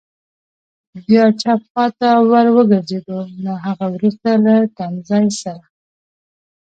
بیا چپ خوا ته ور وګرځېدو، له هغه وروسته له تمځای سره.